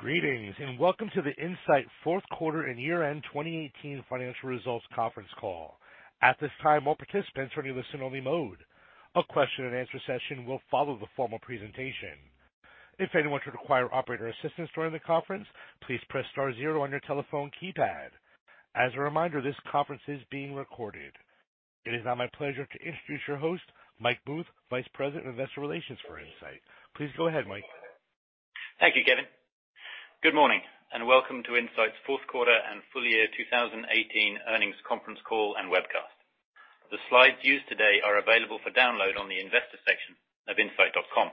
Greetings, and welcome to the Incyte fourth quarter and year-end 2018 financial results conference call. At this time, all participants are in a listen-only mode. A question and answer session will follow the formal presentation. If anyone should require operator assistance during the conference, please press star zero on your telephone keypad. As a reminder, this conference is being recorded. It is now my pleasure to introduce your host, Michael Booth, Vice President of Investor Relations for Incyte. Please go ahead, Mike. Thank you, Kevin. Good morning, and welcome to Incyte's fourth quarter and full year 2018 earnings conference call and webcast. The slides used today are available for download on the investor section of incyte.com.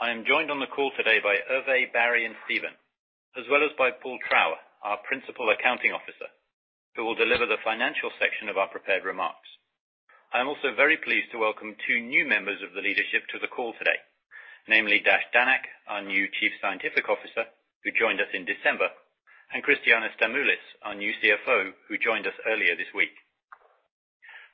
I am joined on the call today by Hervé, Barry, and Steven, as well as by Paul Trower, our Principal Accounting Officer, who will deliver the financial section of our prepared remarks. I am also very pleased to welcome two new members of the leadership to the call today, namely Dash Dhanak, our new Chief Scientific Officer, who joined us in December, and Christiana Stamoulis, our new CFO, who joined us earlier this week.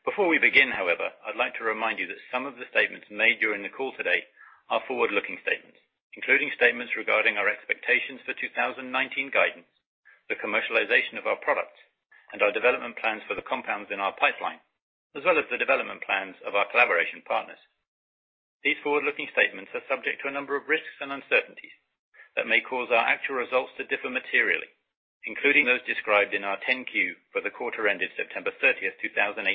Before we begin, however, I'd like to remind you that some of the statements made during the call today are forward-looking statements, including statements regarding our expectations for 2019 guidance, the commercialization of our products, and our development plans for the compounds in our pipeline, as well as the development plans of our collaboration partners. These forward-looking statements are subject to a number of risks and uncertainties that may cause our actual results to differ materially, including those described in our 10-Q for the quarter ended September 30, 2018,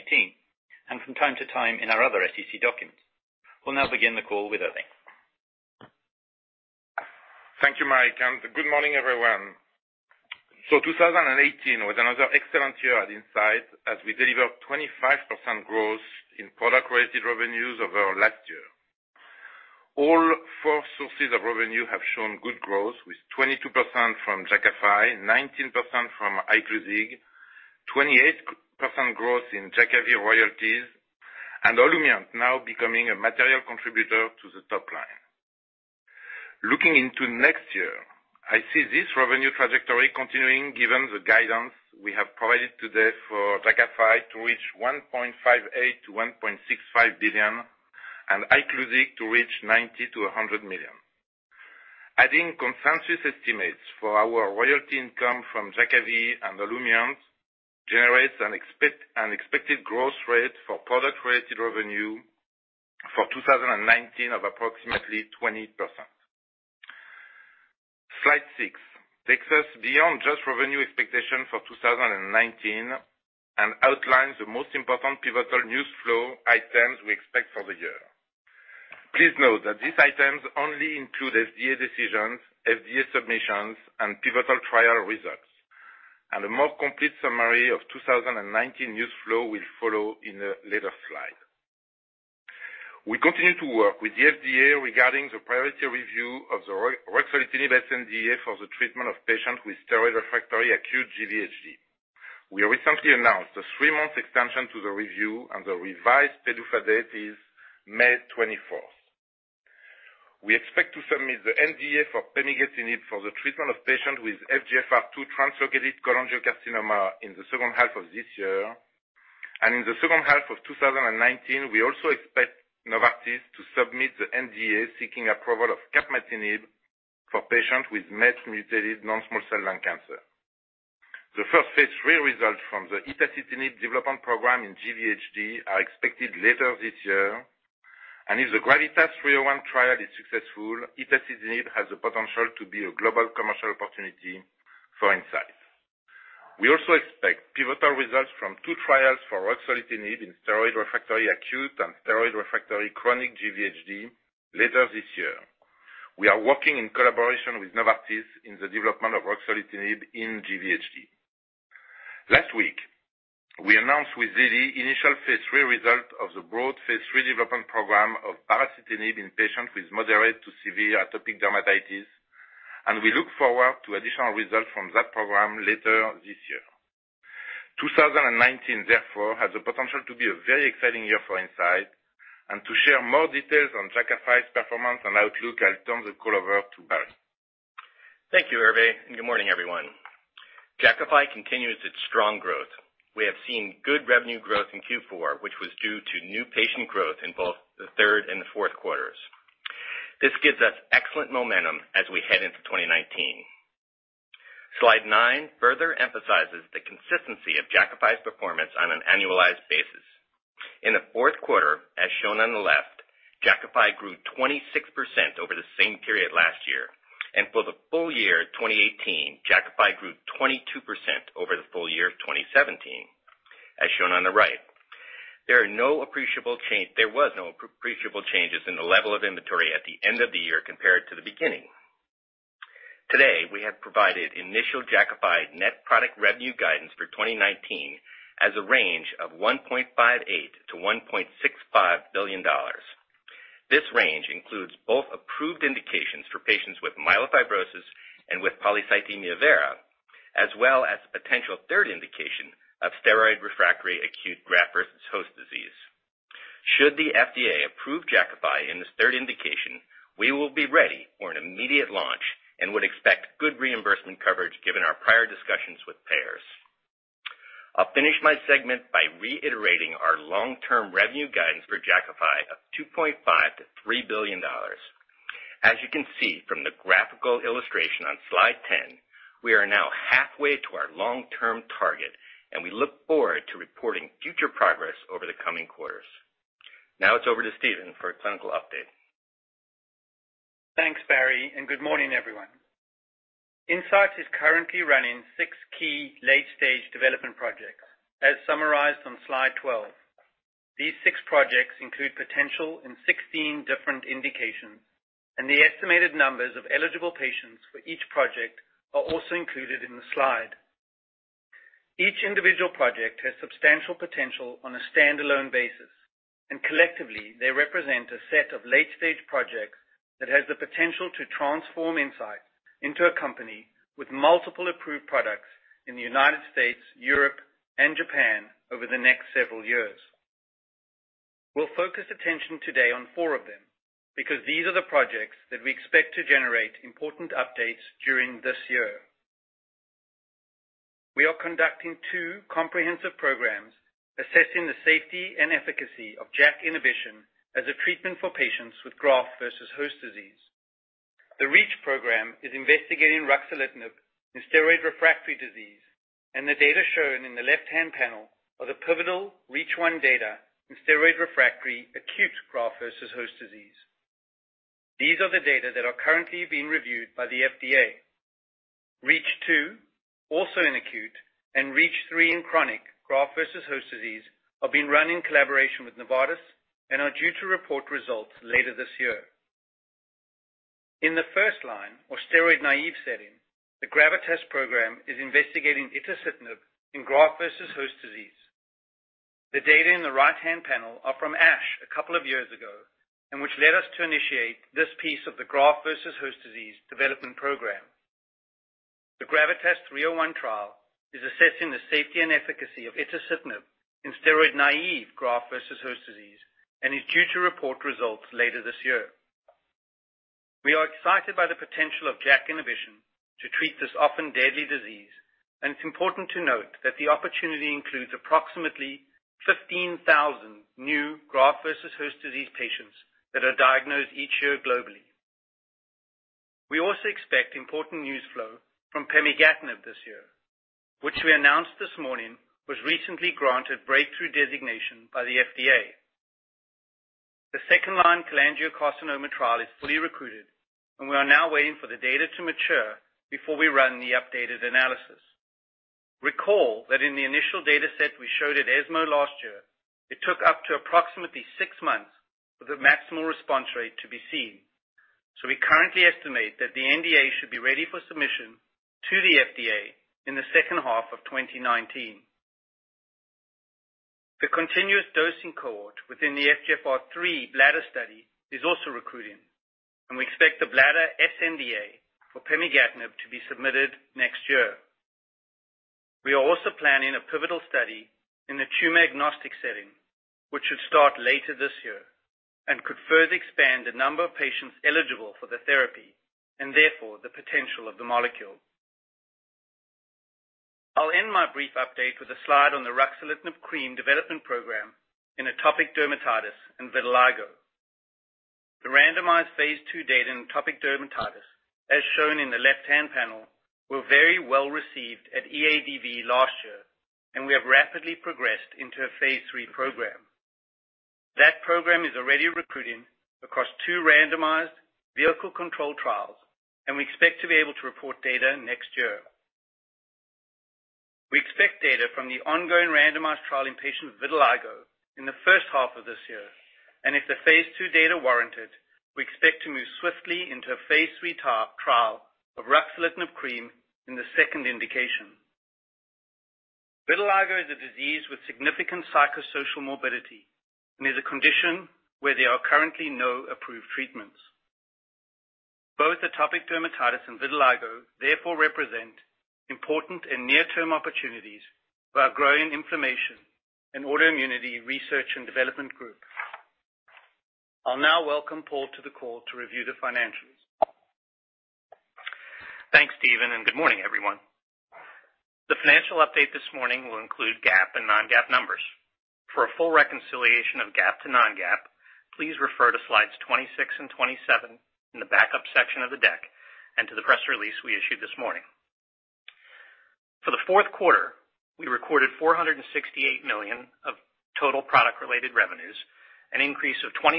and from time to time in our other SEC documents. We'll now begin the call with Hervé. 2018 was another excellent year at Incyte as we delivered 25% growth in product-related revenues over last year. All four sources of revenue have shown good growth, with 22% from Jakafi, 19% from Iclusig, 28% growth in Jakavi royalties, and OLUMIANT now becoming a material contributor to the top line. Looking into next year, I see this revenue trajectory continuing given the guidance we have provided today for Jakafi to reach $1.58 billion-$1.65 billion and Iclusig to reach $90 million-$100 million. Adding consensus estimates for our royalty income from Jakavi and OLUMIANT generates an expected growth rate for product-related revenue for 2019 of approximately 20%. Slide six takes us beyond just revenue expectation for 2019 and outlines the most important pivotal news flow items we expect for the year. Please note that these items only include FDA decisions, FDA submissions, and pivotal trial results. A more complete summary of 2019 news flow will follow in a later slide. We continue to work with the FDA regarding the priority review of the ruxolitinib sNDA for the treatment of patients with steroid-refractory acute GVHD. We recently announced a three-month extension to the review, and the revised PDUFA date is May 24th. We expect to submit the NDA for pemigatinib for the treatment of patients with FGFR2-translocated cholangiocarcinoma in the second half of this year. In the second half of 2019, we also expect Novartis to submit the NDA seeking approval of capmatinib for patients with MET-mutated non-small cell lung cancer. The first phase III result from the itacitinib development program in GVHD are expected later this year, and if the GRAVITAS-301 trial is successful, itacitinib has the potential to be a global commercial opportunity for Incyte. We also expect pivotal results from two trials for ruxolitinib in steroid-refractory acute and steroid-refractory chronic GVHD later this year. We are working in collaboration with Novartis in the development of ruxolitinib in GVHD. Last week, we announced with Lilly initial phase III result of the broad phase III development program of baricitinib in patients with moderate to severe atopic dermatitis, and we look forward to additional results from that program later this year. 2019, therefore, has the potential to be a very exciting year for Incyte. To share more details on Jakafi's performance and outlook, I'll turn the call over to Barry. Thank you, Hervé, and good morning, everyone. Jakafi continues its strong growth. We have seen good revenue growth in Q4, which was due to new patient growth in both the third and the fourth quarters. This gives us excellent momentum as we head into 2019. Slide nine further emphasizes the consistency of Jakafi's performance on an annualized basis. In the fourth quarter, as shown on the left, Jakafi grew 26% over the same period last year. For the full year 2018, Jakafi grew 22% over the full year of 2017, as shown on the right. There was no appreciable changes in the level of inventory at the end of the year compared to the beginning. Today, we have provided initial Jakafi net product revenue guidance for 2019 as a range of $1.58 billion-$1.65 billion. This range includes both approved indications for patients with myelofibrosis and with polycythemia vera, as well as the potential third indication of steroid-refractory acute graft-versus-host disease. Should the FDA approve Jakafi in this third indication, we will be ready for an immediate launch and would expect good reimbursement coverage given our prior discussions with payers. I'll finish my segment by reiterating our long-term revenue guidance for Jakafi of $2.5 billion-$3 billion. As you can see from the graphical illustration on Slide 10, we are now halfway to our long-term target. We look forward to reporting future progress over the coming quarters. Now it's over to Steven for a clinical update. Thanks, Barry. Good morning, everyone. Incyte is currently running six key late-stage development projects, as summarized on Slide 12. These six projects include potential in 16 different indications. The estimated numbers of eligible patients for each project are also included in the slide. Each individual project has substantial potential on a standalone basis. Collectively, they represent a set of late-stage projects that has the potential to transform Incyte into a company with multiple approved products in the U.S., Europe, and Japan over the next several years. We'll focus attention today on four of them because these are the projects that we expect to generate important updates during this year. We are conducting two comprehensive programs assessing the safety and efficacy of JAK inhibition as a treatment for patients with graft-versus-host disease. The REACH program is investigating ruxolitinib in steroid-refractory disease. The data shown in the left-hand panel are the pivotal REACH1 data in steroid-refractory, acute graft-versus-host disease. These are the data that are currently being reviewed by the FDA. REACH2, also in acute, and REACH3 in chronic graft-versus-host disease, have been run in collaboration with Novartis and are due to report results later this year. In the first-line or steroid-naïve setting, the GRAVITAS program is investigating itacitinib in graft-versus-host disease. The data in the right-hand panel are from ASH a couple of years ago which led us to initiate this piece of the graft-versus-host disease development program. The GRAVITAS-301 trial is assessing the safety and efficacy of itacitinib in steroid-naïve graft-versus-host disease and is due to report results later this year. We are excited by the potential of JAK inhibition to treat this often deadly disease. It's important to note that the opportunity includes approximately 15,000 new graft-versus-host disease patients that are diagnosed each year globally. We also expect important news flow from pemigatinib this year, which we announced this morning was recently granted breakthrough designation by the FDA. The second-line cholangiocarcinoma trial is fully recruited. We are now waiting for the data to mature before we run the updated analysis. Recall that in the initial dataset we showed at ESMO last year, it took up to approximately six months for the maximal response rate to be seen. We currently estimate that the NDA should be ready for submission to the FDA in the second half of 2019. The continuous dosing cohort within the FGFR3 bladder study is also recruiting, and we expect the bladder sNDA for pemigatinib to be submitted next year. We are also planning a pivotal study in the tumor-agnostic setting, which should start later this year and could further expand the number of patients eligible for the therapy, and therefore, the potential of the molecule. I'll end my brief update with a slide on the ruxolitinib cream development program in atopic dermatitis and vitiligo. The randomized phase II data in atopic dermatitis, as shown in the left-hand panel, were very well received at EADV last year, and we have rapidly progressed into a phase III program. That program is already recruiting across two randomized vehicle control trials, and we expect to be able to report data next year. We expect data from the ongoing randomized trial in patients with vitiligo in the first half of this year, and if the phase II data warrant it, we expect to move swiftly into a phase III trial of ruxolitinib cream in the second indication. Vitiligo is a disease with significant psychosocial morbidity and is a condition where there are currently no approved treatments. Both atopic dermatitis and vitiligo therefore represent important and near-term opportunities for our growing inflammation and autoimmunity research and development group. I'll now welcome Paul to the call to review the financials. Thanks, Steven, and good morning, everyone. The financial update this morning will include GAAP and non-GAAP numbers. For a full reconciliation of GAAP to non-GAAP, please refer to Slides 26 and 27 in the backup section of the deck and to the press release we issued this morning. For the fourth quarter, we recorded $468 million of total product-related revenues, an increase of 25%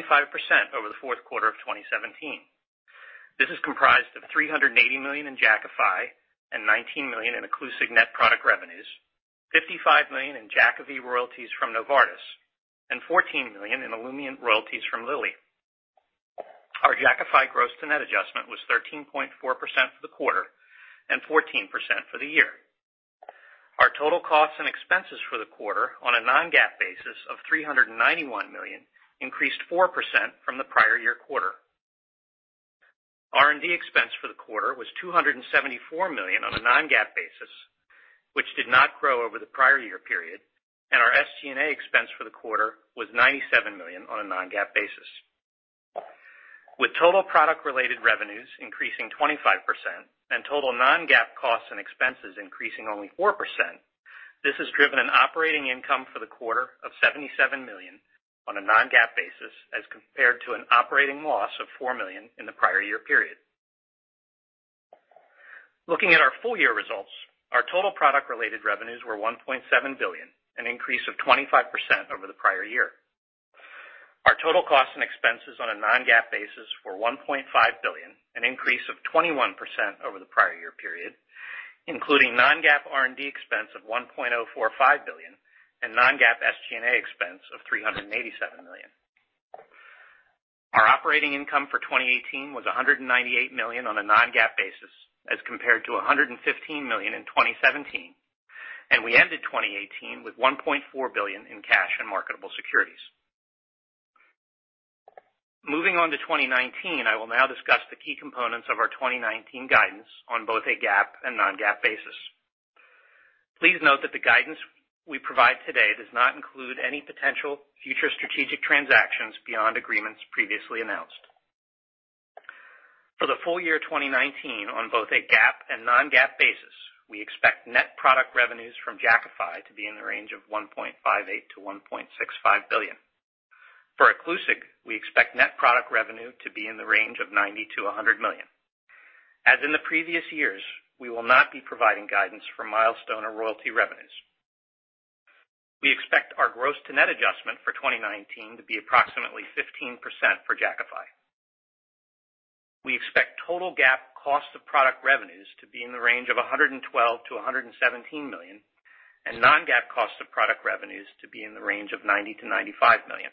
over the fourth quarter of 2017. This is comprised of $380 million in Jakafi and $19 million in Iclusig net product revenues, $55 million in Jakavi royalties from Novartis, and $14 million in OLUMIANT royalties from Lilly. Our Jakafi gross to net adjustment was 13.4% for the quarter and 14% for the year. Our total costs and expenses for the quarter on a non-GAAP basis of $391 million increased 4% from the prior year quarter. R&D expense for the quarter was $274 million on a non-GAAP basis, which did not grow over the prior year period, and our SG&A expense for the quarter was $97 million on a non-GAAP basis. With total product-related revenues increasing 25% and total non-GAAP costs and expenses increasing only 4%, this has driven an operating income for the quarter of $77 million on a non-GAAP basis, as compared to an operating loss of $4 million in the prior year period. Looking at our full year results, our total product-related revenues were $1.7 billion, an increase of 25% over the prior year. Our total costs and expenses on a non-GAAP basis were $1.5 billion, an increase of 21% over the prior year period, including non-GAAP R&D expense of $1.045 billion, and non-GAAP SG&A expense of $387 million. Our operating income for 2018 was $198 million on a non-GAAP basis as compared to $115 million in 2017, and we ended 2018 with $1.4 billion in cash and marketable securities. Moving on to 2019, I will now discuss the key components of our 2019 guidance on both a GAAP and non-GAAP basis. Please note that the guidance we provide today does not include any potential future strategic transactions beyond agreements previously announced. For the full year 2019 on both a GAAP and non-GAAP basis, we expect net product revenues from Jakafi to be in the range of $1.58 billion-$1.65 billion. For Iclusig, we expect net product revenue to be in the range of $90 million-$100 million. As in the previous years, we will not be providing guidance for milestone or royalty revenues. We expect our gross to net adjustment for 2019 to be approximately 15% for Jakafi. We expect total GAAP cost of product revenues to be in the range of $112 million-$117 million and non-GAAP cost of product revenues to be in the range of $90 million-$95 million.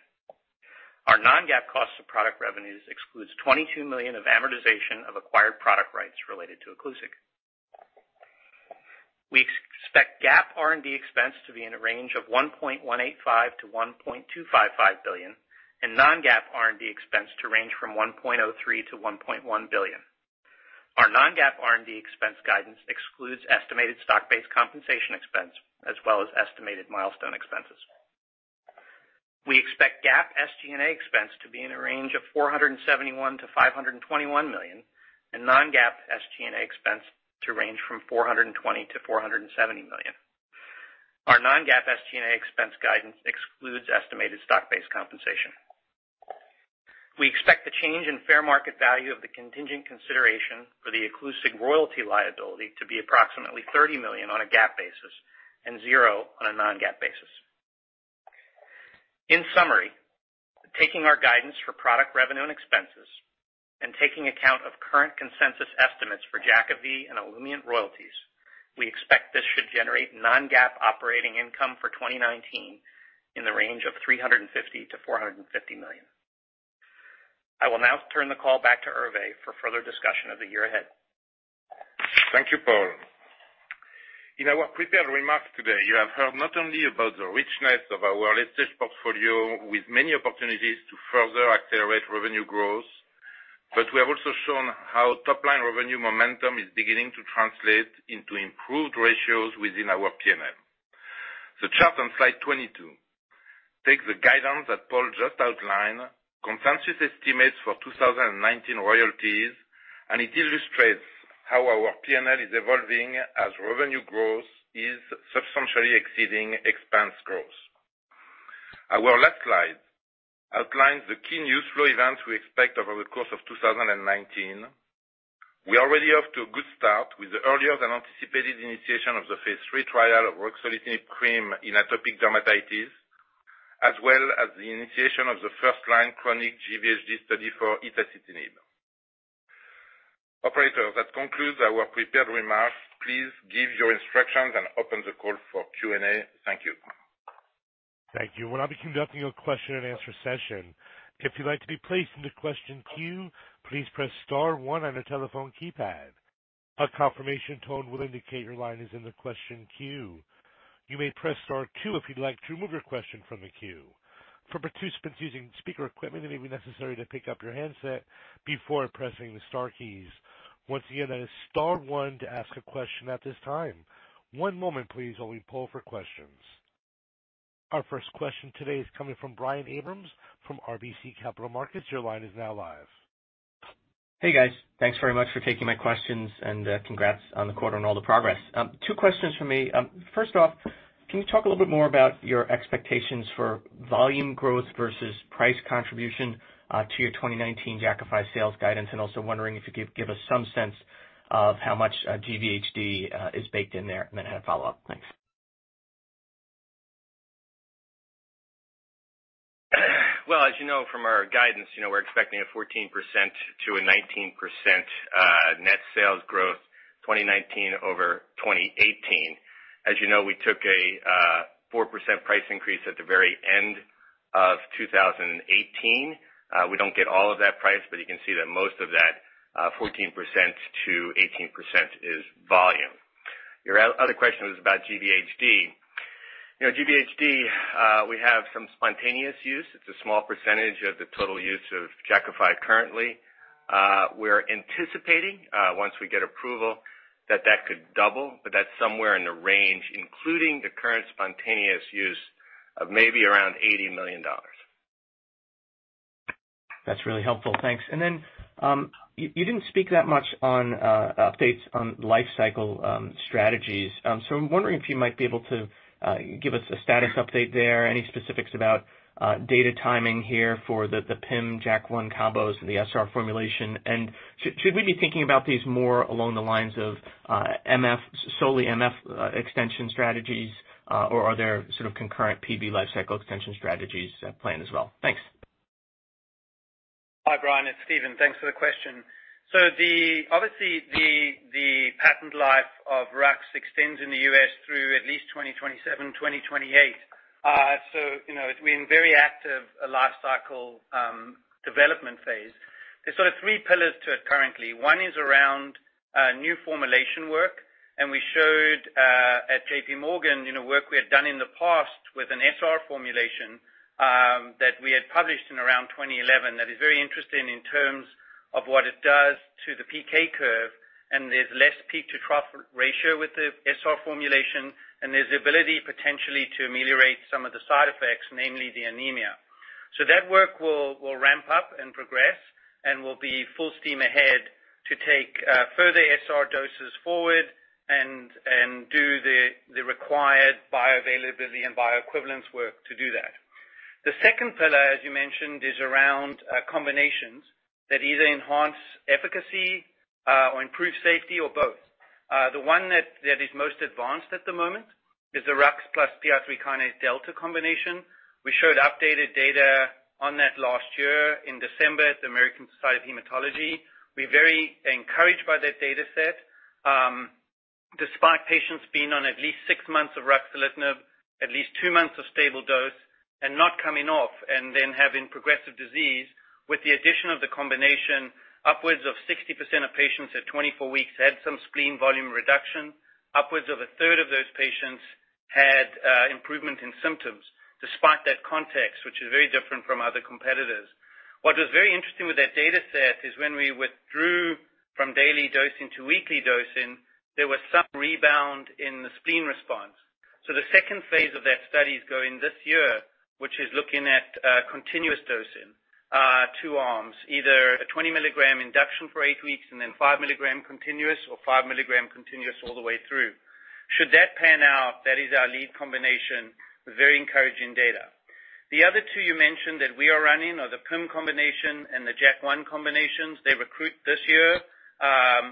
Our non-GAAP cost of product revenues excludes $22 million of amortization of acquired product rights related to Iclusig. We expect GAAP R&D expense to be in a range of $1.185 billion-$1.255 billion and non-GAAP R&D expense to range from $1.03 billion-$1.1 billion. Our non-GAAP R&D expense guidance excludes estimated stock-based compensation expense as well as estimated milestone expenses. We expect GAAP SG&A expense to be in a range of $471 million-$521 million and non-GAAP SG&A expense to range from $420 million-$470 million. Our non-GAAP SG&A expense guidance excludes estimated stock-based compensation. We expect the change in fair market value of the contingent consideration for the Iclusig royalty liability to be approximately $30 million on a GAAP basis and zero on a non-GAAP basis. In summary, taking our guidance for product revenue and expenses, and taking account of current consensus estimates for Jakavi and OLUMIANT royalties, we expect this should generate non-GAAP operating income for 2019 in the range of $350 million-$450 million. I will now turn the call back to Hervé for further discussion of the year ahead. Thank you, Paul. In our prepared remarks today, you have heard not only about the richness of our latest portfolio with many opportunities to further accelerate revenue growth, but we have also shown how top-line revenue momentum is beginning to translate into improved ratios within our P&L. The chart on slide 22 takes the guidance that Paul just outlined, consensus estimates for 2019 royalties, and it illustrates how our P&L is evolving as revenue growth is substantially exceeding expense growth. Our last slide outlines the key news flow events we expect over the course of 2019. We are already off to a good start with the earlier-than-anticipated initiation of the phase III trial of ruxolitinib cream in atopic dermatitis, as well as the initiation of the first-line chronic GVHD study for itacitinib. Operator, that concludes our prepared remarks. Please give your instructions and open the call for Q&A. Thank you. Thank you. We'll now be conducting a question and answer session. If you'd like to be placed into question queue, please press star one on your telephone keypad. A confirmation tone will indicate your line is in the question queue. You may press star two if you'd like to remove your question from the queue. For participants using speaker equipment, it may be necessary to pick up your handset before pressing the star keys. Once again, that is star one to ask a question at this time. One moment please while we poll for questions. Our first question today is coming from Brian Abrahams from RBC Capital Markets. Your line is now live. Hey, guys. Thanks very much for taking my questions. Congrats on the quarter and all the progress. Two questions from me. First off, can you talk a little bit more about your expectations for volume growth versus price contribution to your 2019 Jakafi sales guidance? Also wondering if you could give us some sense of how much GVHD is baked in there. I'm going to have a follow-up. Thanks. Well, as you know from our guidance, we're expecting a 14%-19% net sales growth 2019 over 2018. As you know, we took a 4% price increase at the very end of 2018. You can see that most of that, 14%-18%, is volume. Your other question was about GVHD. GVHD, we have some spontaneous use. It's a small percentage of the total use of Jakafi currently. We're anticipating, once we get approval, that that could double, that's somewhere in the range, including the current spontaneous use Of maybe around $80 million. That's really helpful. Thanks. You didn't speak that much on updates on life cycle strategies. I'm wondering if you might be able to give us a status update there. Any specifics about data timing here for the PIM, JAK1 combos and the SR formulation? Should we be thinking about these more along the lines of solely MF extension strategies, or are there sort of concurrent PV life cycle extension strategies planned as well? Thanks. Hi, Brian. It's Steven. Thanks for the question. Obviously, the patent life of RUX extends in the U.S. through at least 2027, 2028. It's been very active lifecycle development phase. There's sort of three pillars to it currently. One is around new formulation work, we showed at JPMorgan work we had done in the past with an SR formulation that we had published in around 2011 that is very interesting in terms of what it does to the PK curve. There's less peak-to-trough ratio with the SR formulation, there's the ability potentially to ameliorate some of the side effects, namely the anemia. That work will ramp up and progress and will be full steam ahead to take further SR doses forward and do the required bioavailability and bioequivalence work to do that. The second pillar, as you mentioned, is around combinations that either enhance efficacy or improve safety, or both. The one that is most advanced at the moment is the RUX plus PI3K-delta combination. We showed updated data on that last year in December at the American Society of Hematology. We're very encouraged by that data set. Despite patients being on at least six months of ruxolitinib, at least two months of stable dose, and not coming off and then having progressive disease, with the addition of the combination, upwards of 60% of patients at 24 weeks had some spleen volume reduction. Upwards of a third of those patients had improvement in symptoms despite that context, which is very different from other competitors. What was very interesting with that data set is when we withdrew from daily dosing to weekly dosing, there was some rebound in the spleen response. The second phase of that study is going this year, which is looking at continuous dosing. Two arms, either a 20 mg induction for eight weeks and then 5 mg continuous or 5 mg continuous all the way through. Should that pan out, that is our lead combination. Very encouraging data. The other two you mentioned that we are running are the PIM combination and the JAK1 combinations. They recruit this year.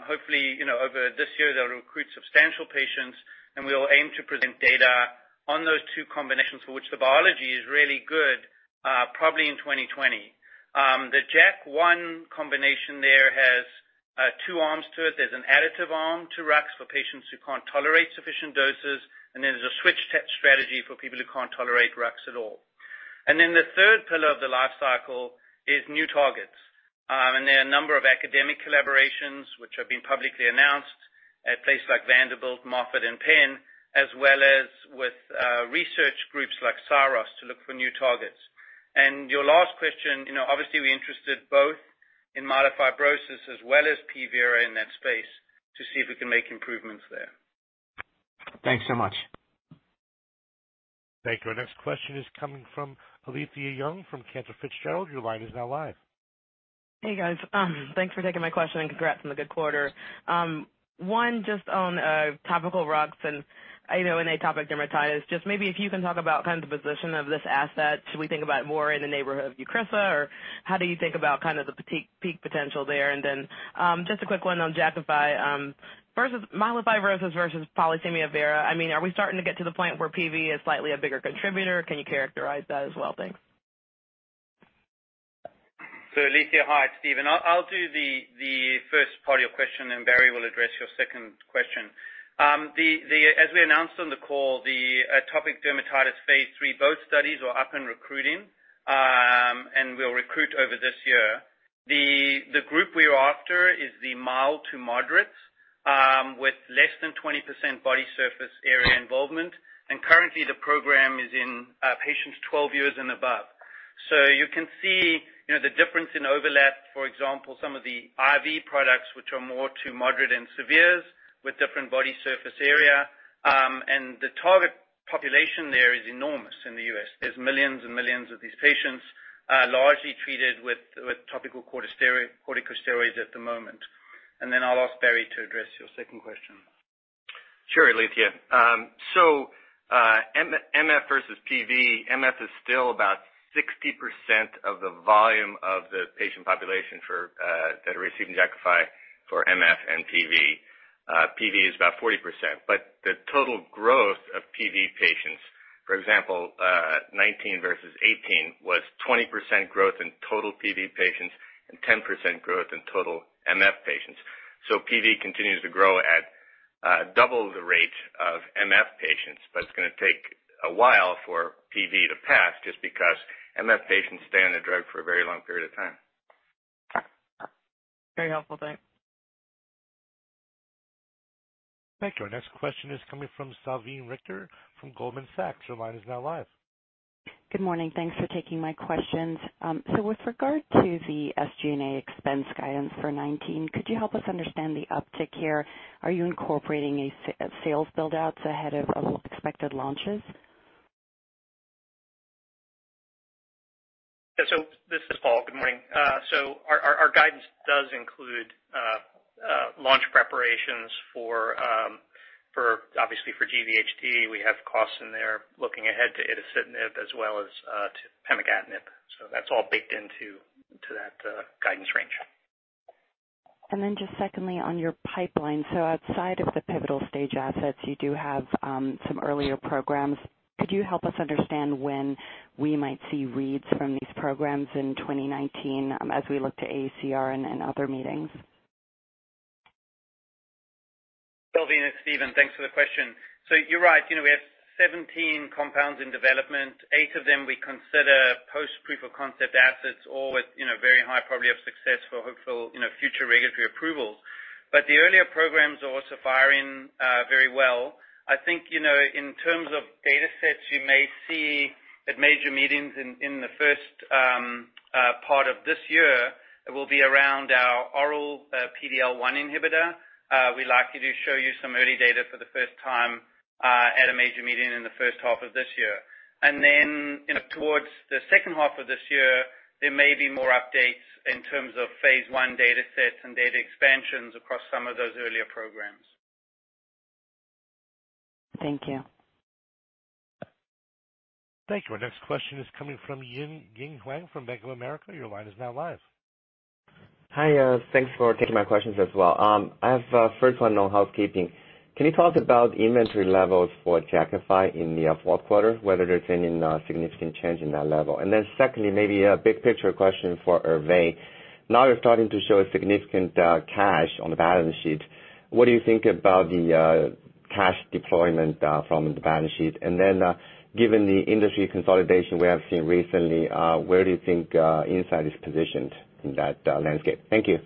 Hopefully, over this year, they'll recruit substantial patients, and we will aim to present data on those two combinations for which the biology is really good, probably in 2020. The JAK1 combination there has two arms to it. There's an additive arm to RUX for patients who can't tolerate sufficient doses, and then there's a switch-type strategy for people who can't tolerate RUX at all. The third pillar of the life cycle is new targets. There are a number of academic collaborations which have been publicly announced at places like Vanderbilt, Moffitt, and Penn, as well as with research groups like Syros to look for new targets. Your last question, obviously, we're interested both in myelofibrosis as well as P vera in that space to see if we can make improvements there. Thanks so much. Thank you. Our next question is coming from Alethia Young from Cantor Fitzgerald. Your line is now live. Hey, guys. Thanks for taking my question and congrats on the good quarter. One just on topical ruxolitinib and atopic dermatitis, just maybe if you can talk about kind of the position of this asset. Should we think about more in the neighborhood of Eucrisa, or how do you think about kind of the peak potential there? Then just a quick one on Jakafi. Myelofibrosis versus polycythemia vera, are we starting to get to the point where PV is slightly a bigger contributor? Can you characterize that as well? Thanks. Alethia, hi. It's Steven. I'll do the first part of your question, and Barry will address your second question. As we announced on the call, the atopic dermatitis phase III both studies are up and recruiting. We'll recruit over this year. The group we are after is the mild to moderate, with less than 20% body surface area involvement, and currently the program is in patients 12 years and above. You can see the difference in overlap, for example, some of the IV products which are more to moderate and severes with different body surface area. The target population there is enormous in the U.S. There's millions and millions of these patients largely treated with topical corticosteroids at the moment. I'll ask Barry to address your second question. Sure, Alethia. MF versus PV. MF is still about 60% of the volume of the patient population that are receiving Jakafi for MF and PV. PV is about 40%, but the total growth of PV patients, for example, 2019 versus 2018, was 20% growth in total PV patients and 10% growth in total MF patients. PV continues to grow at double the rate of MF patients, but it's going to take a while for PV to pass just because MF patients stay on the drug for a very long period of time. Very helpful. Thanks. Thank you. Our next question is coming from Salveen Richter from Goldman Sachs. Your line is now live. Good morning. Thanks for taking my questions. With regard to the SG&A expense guidance for 2019, could you help us understand the uptick here? Are you incorporating sales build-outs ahead of expected launches? This is Paul. Good morning. Our guidance does include launch preparations, obviously for GVHD. We have costs in there looking ahead to itacitinib as well as to pemigatinib. That's all baked into that guidance range. Just secondly on your pipeline, outside of the pivotal stage assets, you do have some earlier programs. Could you help us understand when we might see reads from these programs in 2019 as we look to ACR and other meetings? Salveen, it's Steven. Thanks for the question. You're right. We have 17 compounds in development. 8 of them we consider post-proof-of-concept assets, all with very high probability of success for hopeful future regulatory approvals. The earlier programs are also faring very well. I think, in terms of data sets, you may see at major meetings in the first part of this year will be around our oral PD-L1 inhibitor. We like to show you some early data for the first time at a major meeting in the first half of this year. Towards the second half of this year, there may be more updates in terms of phase I data sets and data expansions across some of those earlier programs. Thank you. Thank you. Our next question is coming from Ying Huang from Bank of America. Your line is now live. Hi. Thanks for taking my questions as well. I have first one on housekeeping. Can you talk about inventory levels for Jakafi in the fourth quarter, whether there's any significant change in that level? Secondly, maybe a big picture question for Hervé. Now you're starting to show a significant cash on the balance sheet. What do you think about the cash deployment from the balance sheet? Given the industry consolidation we have seen recently, where do you think Incyte is positioned in that landscape? Thank you.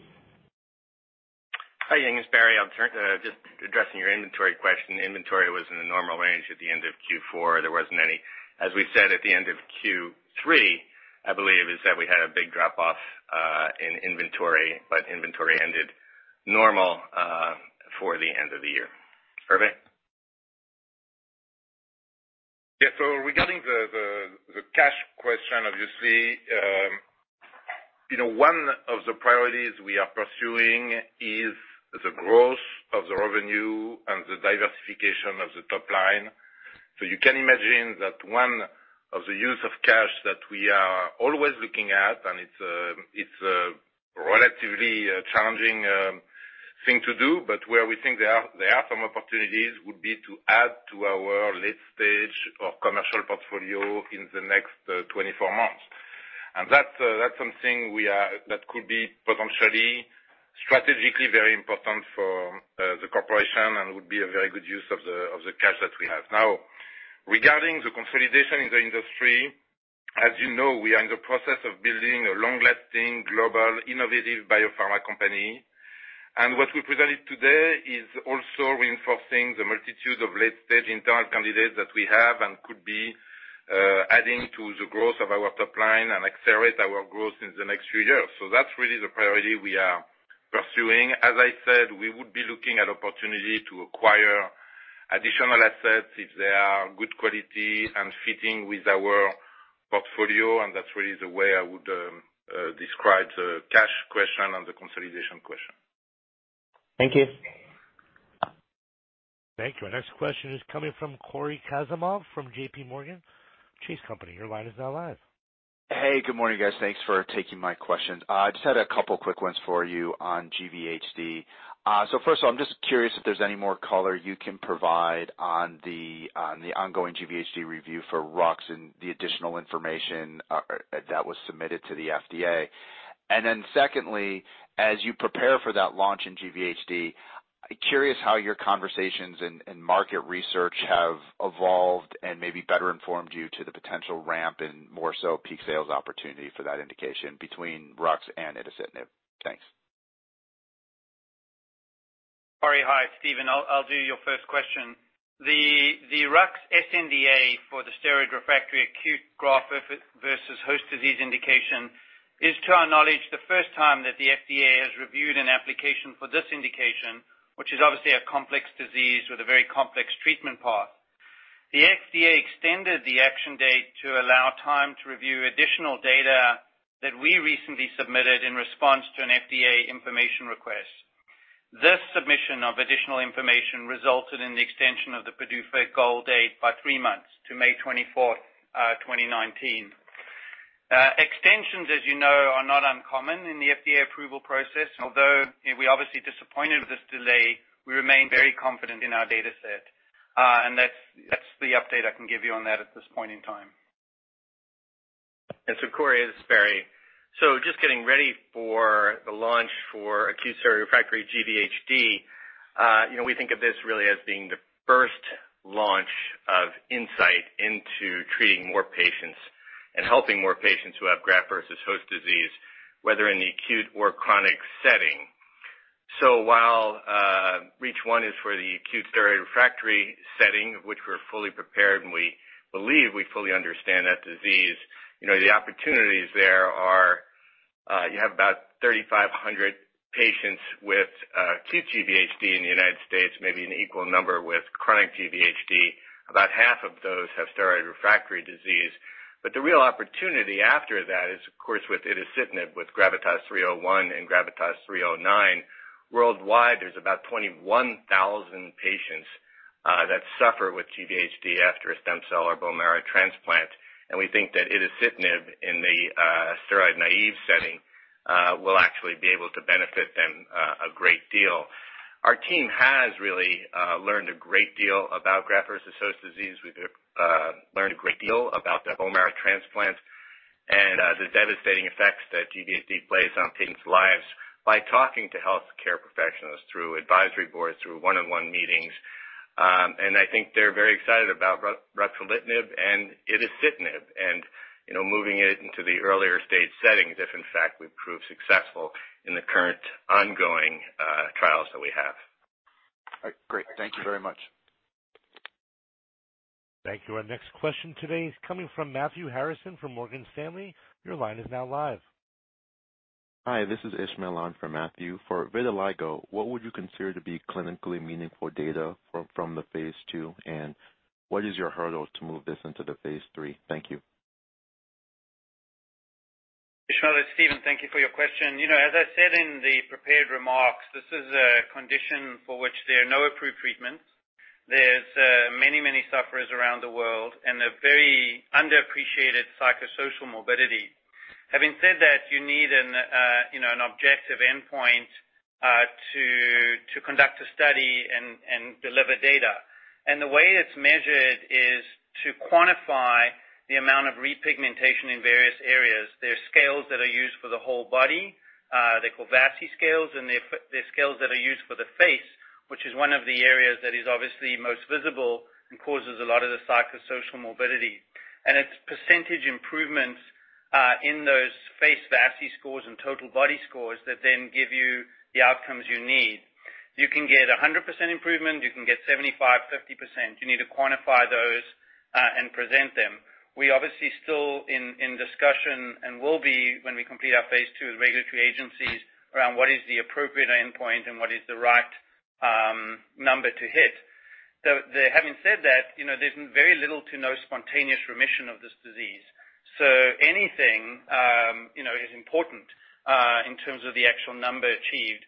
Hi, Ying. It's Barry. Just addressing your inventory question. Inventory was in the normal range at the end of Q4. There wasn't any. As we said at the end of Q3, I believe, is that we had a big drop off in inventory, but inventory ended normal for the end of the year. Hervé? Yeah. Regarding the cash question, obviously, one of the priorities we are pursuing is the growth of the revenue and the diversification of the top line. You can imagine that one of the use of cash that we are always looking at, and it's a relatively challenging thing to do, but where we think there are some opportunities would be to add to our late stage of commercial portfolio in the next 24 months. That's something that could be potentially strategically very important for the corporation and would be a very good use of the cash that we have. Regarding the consolidation in the industry, as you know, we are in the process of building a long-lasting, global, innovative biopharma company. What we presented today is also reinforcing the multitude of late-stage internal candidates that we have and could be adding to the growth of our top line and accelerate our growth in the next few years. That's really the priority we are pursuing. As I said, we would be looking at opportunity to acquire additional assets if they are good quality and fitting with our portfolio. That's really the way I would describe the cash question and the consolidation question. Thank you. Thank you. Our next question is coming from Cory Kasimov from JPMorgan Chase & Co. Your line is now live. Good morning, guys. Thanks for taking my questions. I just had a couple quick ones for you on GVHD. First of all, I'm just curious if there's any more color you can provide on the ongoing GVHD review for ruxolitinib and the additional information that was submitted to the FDA. Secondly, as you prepare for that launch in GVHD, curious how your conversations and market research have evolved and maybe better informed you to the potential ramp and more so peak sales opportunity for that indication between ruxolitinib and itacitinib. Thanks. Cory, hi. It's Steven. I'll do your first question. The rux sNDA for the steroid-refractory acute graft-versus-host disease indication is, to our knowledge, the first time that the FDA has reviewed an application for this indication, which is obviously a complex disease with a very complex treatment path. The FDA extended the action date to allow time to review additional data that we recently submitted in response to an FDA information request. This submission of additional information resulted in the extension of the PDUFA goal date by three months to May 24, 2019. Extensions, as you know, are not uncommon in the FDA approval process. Although we're obviously disappointed with this delay, we remain very confident in our data set. That's the update I can give you on that at this point in time. Cory, this is Barry. Just getting ready for the launch for acute steroid-refractory GVHD, we think of this really as being the first launch of Incyte into treating more patients and helping more patients who have graft-versus-host disease, whether in the acute or chronic setting. While REACH1 is for the acute steroid-refractory setting, which we're fully prepared and we believe we fully understand that disease, the opportunities there are, you have about 3,500 patients with acute GVHD in the U.S., maybe an equal number with chronic GVHD. About half of those have steroid-refractory disease. The real opportunity after that is, of course, with itacitinib, with GRAVITAS-301 and GRAVITAS-309. Worldwide, there's about 21,000 patients that suffer with GVHD after a stem cell or bone marrow transplant, and we think that itacitinib in the steroid-naive setting will actually be able to benefit them a great deal. Our team has really learned a great deal about graft-versus-host disease. We've learned a great deal about the bone marrow transplants and the devastating effects that GVHD plays on patients' lives by talking to healthcare professionals through advisory boards, through one-on-one meetings. I think they're very excited about ruxolitinib and itacitinib and moving it into the earlier stage settings if in fact we prove successful in the current ongoing trials that we have. All right. Great. Thank you very much. Thank you. Our next question today is coming from Matthew Harrison from Morgan Stanley. Your line is now live. Hi, this is Ishmael on for Matthew. For vitiligo, what would you consider to be clinically meaningful data from the phase II, and what is your hurdle to move this into the phase III? Thank you. Ishmael, it's Steven. Thank you for your question. As I said in the prepared remarks, this is a condition for which there are no approved treatments. There's many sufferers around the world and a very underappreciated psychosocial morbidity. Having said that, you need an objective endpoint to conduct a study and deliver data. The way it's measured is to quantify the amount of repigmentation in various areas. There are scales that are used for the whole body, they're called VASI scales, and they're scales that are used for the face, which is one of the areas that is obviously most visible and causes a lot of the psychosocial morbidity. It's percentage improvements in those face VASI scores and total body scores that then give you the outcomes you need. You can get 100% improvement. You can get 75%, 50%. You need to quantify those and present them. We're obviously still in discussion and will be when we complete our phase II with regulatory agencies around what is the appropriate endpoint and what is the right number to hit. Having said that, there's very little to no spontaneous remission of this disease. Anything is important in terms of the actual number achieved.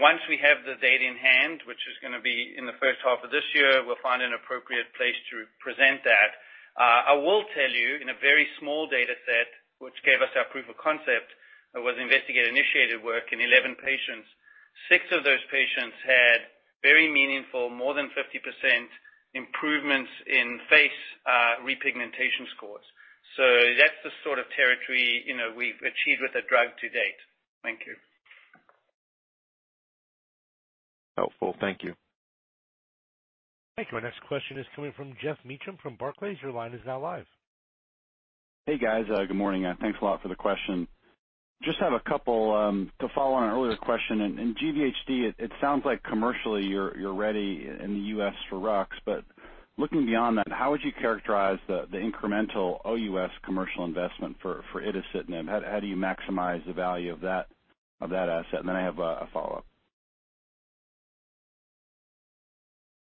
Once we have the data in hand, which is going to be in the first half of this year, we'll find an appropriate place to present that. I will tell you, in a very small data set, which gave us our proof of concept, it was investigator-initiated work in 11 patients. Six of those patients had very meaningful, more than 50% improvements in face repigmentation scores. That's the sort of territory we've achieved with the drug to date. Thank you. Helpful. Thank you. Thank you. Our next question is coming from Geoffrey Meacham from Barclays. Your line is now live. Hey, guys. Good morning, thanks a lot for the question. Just have a couple to follow on an earlier question. In GVHD, it sounds like commercially, you're ready in the U.S. for rux. Looking beyond that, how would you characterize the incremental OUS commercial investment for itacitinib? How do you maximize the value of that asset? I have a follow-up.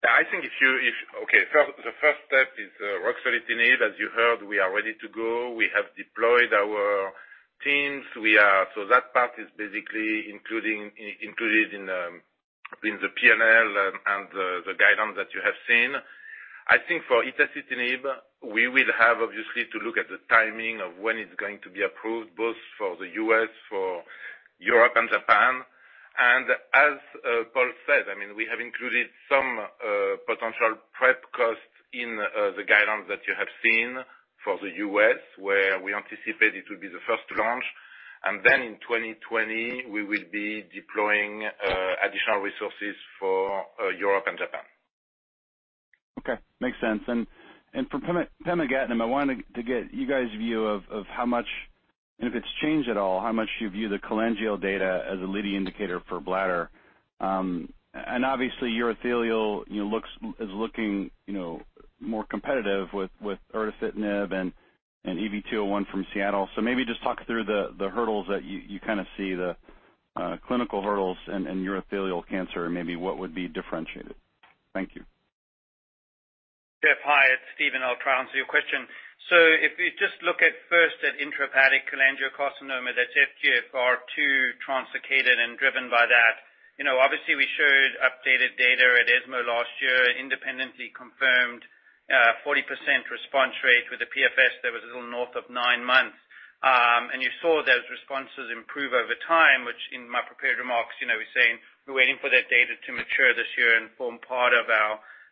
I think the first step is ruxolitinib. As you heard, we are ready to go. We have deployed our teams. That part is basically included in the P&L and the guidance that you have seen. I think for itacitinib, we will have, obviously, to look at the timing of when it's going to be approved, both for the U.S., for Europe, and Japan. As Paul said, we have included some potential prep costs in the guidance that you have seen for the U.S., where we anticipate it will be the first to launch. In 2020, we will be deploying additional resources for Europe and Japan. Okay. Makes sense. For pemigatinib, I wanted to get you guys view of how much, and if it's changed at all, how much you view the cholangiocarcinoma data as a leading indicator for bladder. Obviously, urothelial is looking more competitive with itacitinib and EV-201 from Seattle Genetics. Maybe just talk through the hurdles that you see, the clinical hurdles in urothelial cancer, and maybe what would be differentiated. Thank you. Jeff, hi. It's Steven. I'll try and answer your question. If you just look at first at intrahepatic cholangiocarcinoma that's FGFR2 translocated and driven by that. Obviously, we showed updated data at ESMO last year, independently confirmed 40% response rate with a PFS that was a little north of nine months. You saw those responses improve over time, which in my prepared remarks, we're saying we're waiting for that data to mature this year and form part of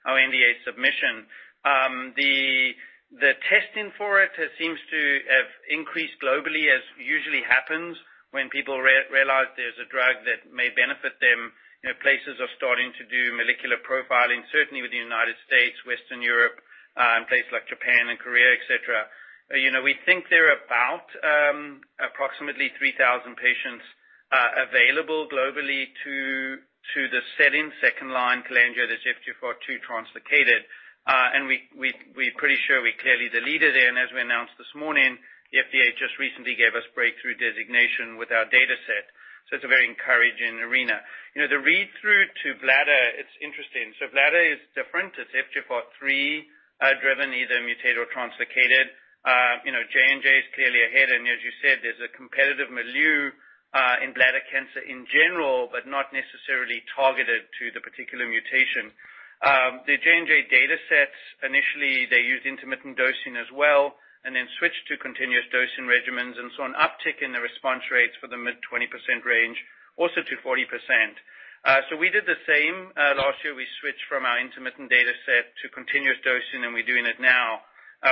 our NDA submission. The testing for it seems to have increased globally, as usually happens when people realize there's a drug that may benefit them. Places are starting to do molecular profiling, certainly with the U.S., Western Europe, and places like Japan and Korea, et cetera. We think there are approximately 3,000 patients are available globally to the setting second-line cholangiocarcinoma, the FGFR2 translocated, and we're pretty sure we're clearly the leader there. As we announced this morning, the FDA just recently gave us breakthrough designation with our data set, so it's a very encouraging arena. The read-through to bladder, it's interesting. Bladder is different. It's FGFR3-driven, either mutated or translocated. J&J is clearly ahead. As you said, there's a competitive milieu in bladder cancer in general, but not necessarily targeted to the particular mutation. The J&J data sets, initially, they used intermittent dosing as well and then switched to continuous dosing regimens and saw an uptick in the response rates for the mid-20% range also to 40%. We did the same. Last year, we switched from our intermittent data set to continuous dosing, and we're doing it now.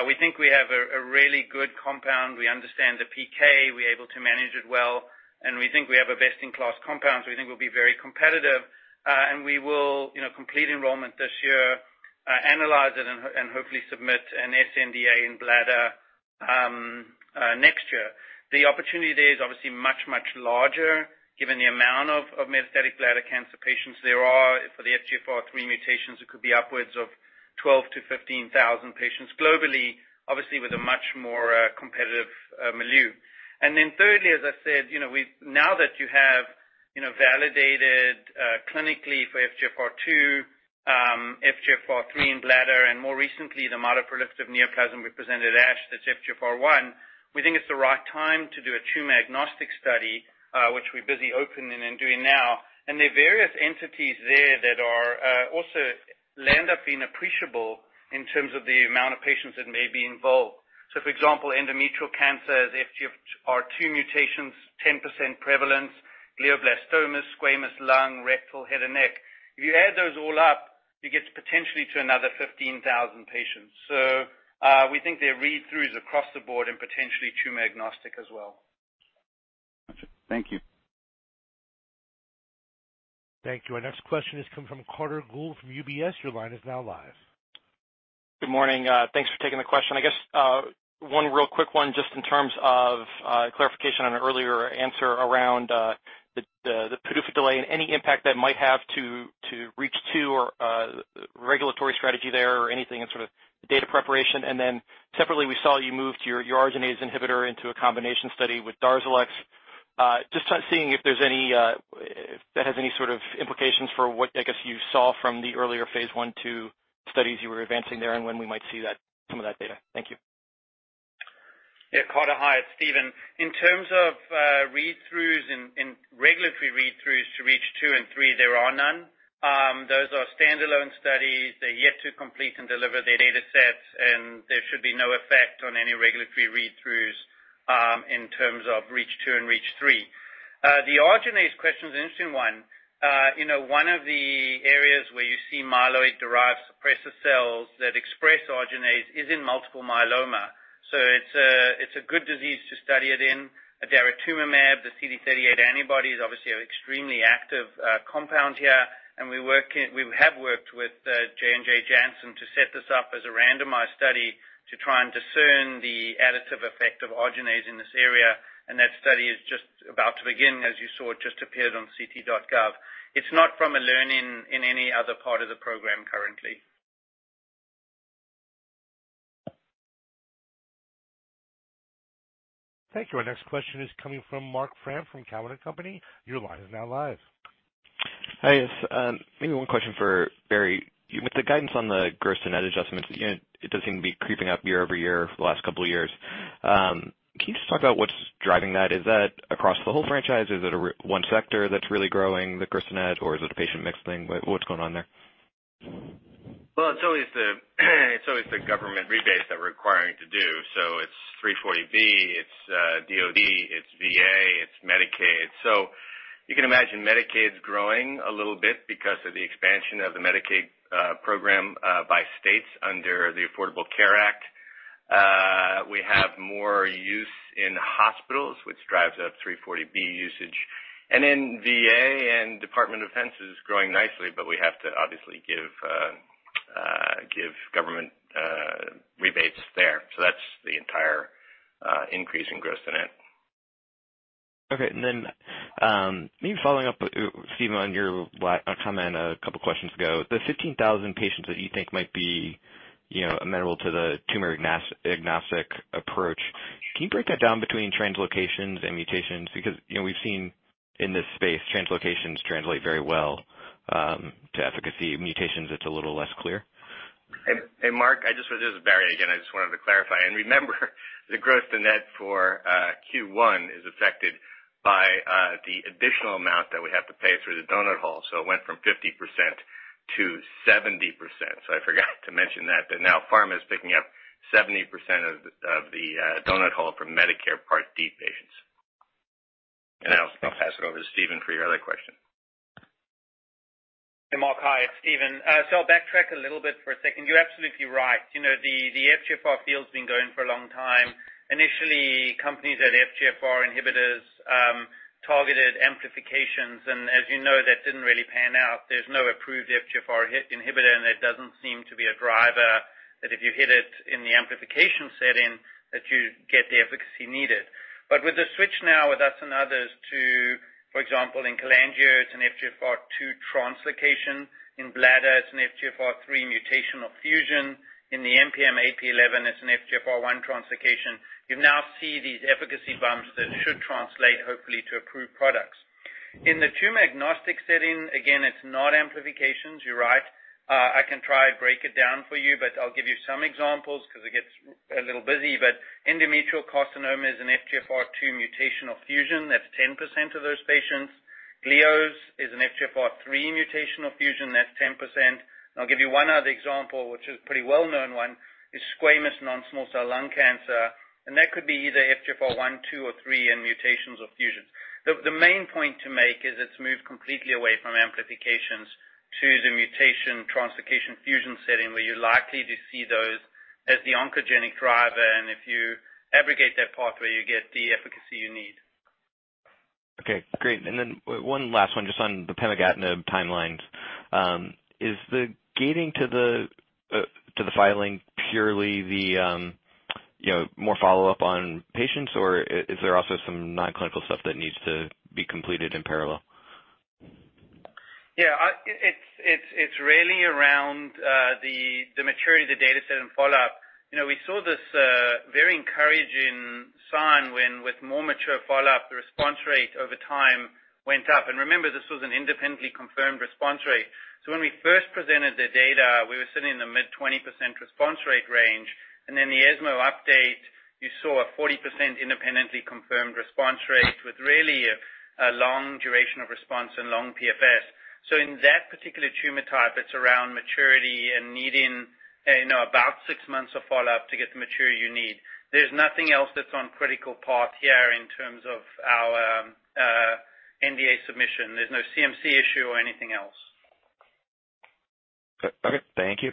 We think we have a really good compound. We understand the PK. We're able to manage it well, we think we have a best-in-class compound, so we think we'll be very competitive. We will complete enrollment this year, analyze it, and hopefully submit an sNDA in bladder next year. The opportunity there is obviously much, much larger given the amount of metastatic bladder cancer patients there are for the FGFR3 mutations. It could be upwards of 12,000 to 15,000 patients globally, obviously with a much more competitive milieu. Thirdly, as I said, now that you have validated clinically for FGFR2, FGFR3 in bladder, and more recently, the myeloproliferative neoplasm we presented at ASH, the FGFR1, we think it's the right time to do a tumor-agnostic study, which we're busy opening and doing now. There are various entities there that also land up being appreciable in terms of the amount of patients that may be involved. For example, endometrial cancer has FGFR2 mutations, 10% prevalence, glioblastoma, squamous cell lung, rectal, head and neck. If you add those all up, you get potentially to another 15,000 patients. We think their read-through is across the board and potentially tumor-agnostic as well. Got you. Thank you. Thank you. Our next question is coming from Carter Gould from UBS. Your line is now live. Good morning. Thanks for taking the question. I guess, one real quick one, just in terms of clarification on an earlier answer around the PDUFA delay and any impact that might have to REACH2 or regulatory strategy there or anything in sort of the data preparation. Separately, we saw you move to your arginase inhibitor into a combination study with DARZALEX. Just seeing if that has any sort of implications for what you saw from the earlier phase I/II studies you were advancing there, and when we might see some of that data. Thank you. Yeah. Carter. Hi, it's Steven. In terms of read-throughs and regulatory read-throughs to REACH2 and REACH3, there are none. Those are standalone studies. They're yet to complete and deliver their data sets, there should be no effect on any regulatory read-throughs in terms of REACH2 and REACH3. The arginase question is an interesting one. One of the areas where you see myeloid-derived suppressor cells that express arginase is in multiple myeloma. It's a good disease to study it in. Durvalumab, the CD38 antibody, is obviously an extremely active compound here, and we have worked with J&J Janssen to set this up as a randomized study to try and discern the additive effect of arginase in this area. That study is just about to begin, as you saw it just appeared on ct.gov. It's not from a learning in any other part of the program currently. Thank you. Our next question is coming from Marc Frahm from Cowen and Company. Your line is now live. Hi. Yes. Maybe one question for Barry. With the guidance on the gross to net adjustments, it does seem to be creeping up year-over-year for the last couple of years. Can you just talk about what's driving that? Is that across the whole franchise? Is it one sector that's really growing the gross to net, or is it a patient mix thing? What's going on there? Well, it's always the government rebates that we're requiring to do. It's 340B, it's DoD, it's VA, it's Medicaid. You can imagine Medicaid's growing a little bit because of the expansion of the Medicaid program by states under the Affordable Care Act. We have more use in hospitals, which drives up 340B usage. VA and Department of Defense is growing nicely, but we have to obviously give government rebates there. That's the entire increase in gross to net. Okay. Maybe following up, Steven, on your last comment a couple of questions ago. The 15,000 patients that you think might be amenable to the tumor-agnostic approach, can you break that down between translocations and mutations? Because we've seen in this space, translocations translate very well to efficacy. Mutations, it's a little less clear. Hey, Marc. This is Barry again. I just wanted to clarify. Remember, the gross to net for Q1 is affected by the additional amount that we have to pay through the donut hole. It went from 50% to 70%. I forgot to mention that, now pharma's picking up 70% of the donut hole for Medicare Part D patients. Now I'll pass it over to Steven for your other question. Marc, hi. It's Steven. I'll backtrack a little bit for a second. You're absolutely right. The FGFR field's been going for a long time. Initially, companies had FGFR inhibitors targeted amplifications. As you know, that didn't really pan out. There's no approved FGFR hit inhibitor. It doesn't seem to be a driver that if you hit it in the amplification setting, that you get the efficacy needed. With the switch now with us and others to, for example, in cholangiocarcinoma and FGFR2 translocation in bladder, it's an FGFR3 mutational fusion. In the NPM-ALK, it's an FGFR1 translocation. You now see these efficacy bumps that should translate, hopefully, to approved products. In the tumor-agnostic setting, again, it's not amplifications, you're right. I can try to break it down for you. I'll give you some examples because it gets a little busy. Endometrial carcinoma is an FGFR2 mutational fusion. That's 10% of those patients. Glio is an FGFR3 mutational fusion. That's 10%. I'll give you one other example, which is pretty well-known one, is squamous non-small cell lung cancer. That could be either FGFR1, 2, or 3 in mutations or fusions. The main point to make is it's moved completely away from amplifications to the mutation translocation fusion setting, where you're likely to see those as the oncogenic driver. If you abrogate that pathway, you get the efficacy you need. Okay, great. One last one just on the pemigatinib timelines. Is the gating to the filing purely the more follow-up on patients, or is there also some non-clinical stuff that needs to be completed in parallel? Yeah. It's really around the maturity of the data set and follow-up. We saw this very encouraging sign when, with more mature follow-up, the response rate over time went up. Remember, this was an independently confirmed response rate. When we first presented the data, we were sitting in the mid-20% response rate range. In the ESMO update, you saw a 40% independently confirmed response rate with really a long duration of response and long PFS. In that particular tumor type, it's around maturity and needing about six months of follow-up to get the maturity you need. There's nothing else that's on critical path here in terms of our NDA submission. There's no CMC issue or anything else. Okay. Thank you.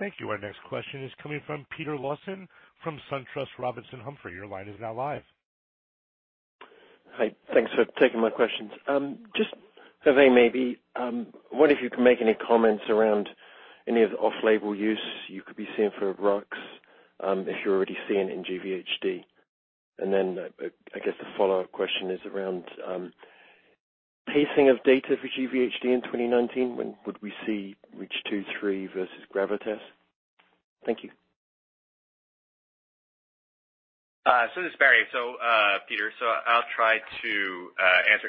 Thank you. Our next question is coming from Peter Lawson from SunTrust Robinson Humphrey. Your line is now live. Hi. Thanks for taking my questions. Just wondering maybe, what if you can make any comments around any of the off-label use you could be seeing for rux if you're already seeing in GVHD? I guess the follow-up question is around pacing of data for GVHD in 2019. When would we see REACH2, REACH3 versus GRAVITAS? Thank you. This is Barry. Peter, I'll try to answer.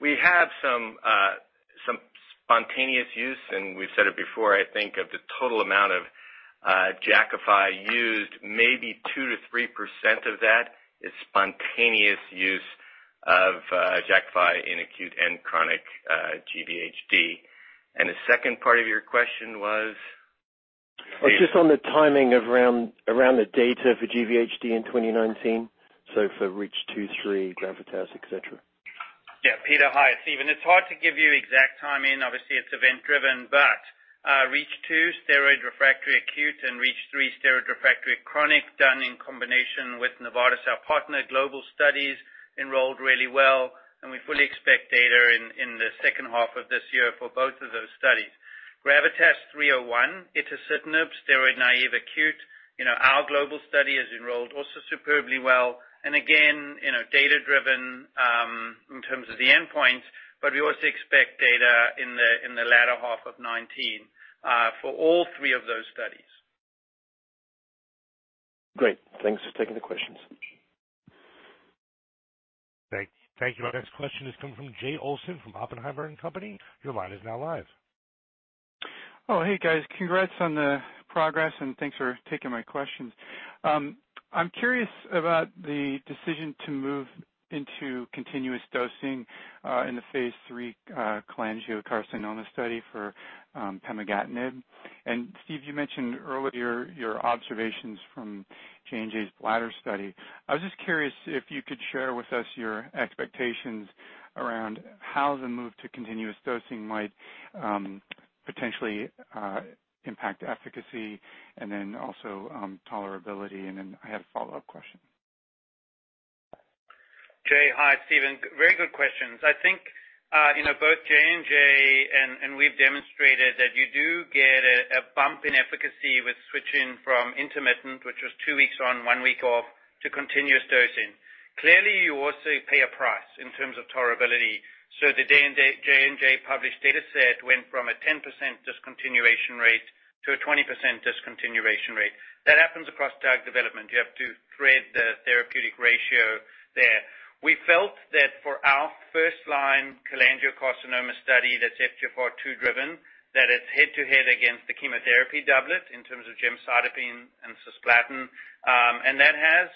We have some spontaneous use, and we've said it before, I think of the total amount of Jakafi used, maybe 2%-3% of that is spontaneous use of Jakafi in acute and chronic GVHD. The second part of your question was? Just on the timing of around the data for GVHD in 2019. For REACH 2, 3, GRAVITAS, et cetera. Peter, hi. It's Steven. It's hard to give you exact timing. Obviously, it's event-driven. REACH 2, steroid-refractory acute, and REACH 3, steroid-refractory chronic, done in combination with Novartis, our partner global studies enrolled really well, and we fully expect data in the second half of this year for both of those studies. GRAVITAS-301, itacitinib steroid-naive acute. Our global study has enrolled also superbly well. Again, data-driven in terms of the endpoint, we also expect data in the latter half of 2019 for all three of those studies. Great. Thanks for taking the questions. Thank you. Our next question is coming from Jay Olson from Oppenheimer & Co.. Your line is now live. Oh, hey, guys. Congrats on the progress and thanks for taking my questions. I'm curious about the decision to move into continuous dosing in the phase III cholangiocarcinoma study for pemigatinib. Steve, you mentioned earlier your observations from J&J's bladder study. I was just curious if you could share with us your expectations around how the move to continuous dosing might potentially impact efficacy and then also tolerability. I had a follow-up question. Jay, hi. It's Steven. Very good questions. I think both J&J and we've demonstrated that you do get a bump in efficacy with switching from intermittent, which was two weeks on, one week off, to continuous dosing. Clearly, you also pay a price in terms of tolerability. The J&J published data set went from a 10% discontinuation rate to a 20% discontinuation rate. That happens across drug development. You have to thread the therapeutic ratio there. We felt that for our first-line cholangiocarcinoma study, that's FGFR2-driven, that it's head-to-head against the chemotherapy doublet in terms of gemcitabine and cisplatin. That has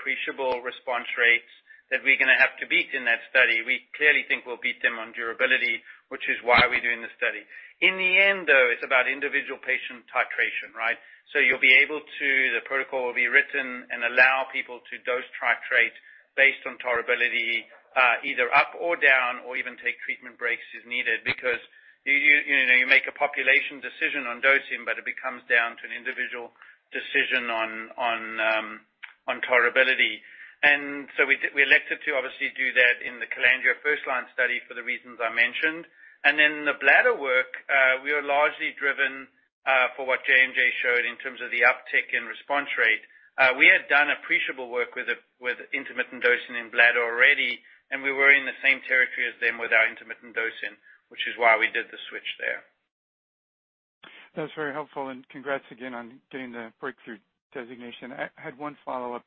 appreciable response rates that we're going to have to beat in that study. We clearly think we'll beat them on durability, which is why we're doing the study. In the end, though, it's about individual patient titration, right? The protocol will be written and allow people to dose titrate based on tolerability either up or down or even take treatment breaks as needed, because you make a population decision on dosing, but it becomes down to an individual decision on tolerability. We elected to obviously do that in the cholangiocarcinoma first-line study for the reasons I mentioned. The bladder work, we are largely driven, for what J&J showed in terms of the uptick in response rate. We had done appreciable work with intermittent dosing in bladder already, and we were in the same territory as them with our intermittent dosing, which is why we did the switch there. That's very helpful. Congrats again on getting the breakthrough designation. I had one follow-up